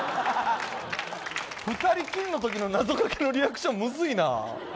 ２人きりの時の謎解きのリアクションむずいな。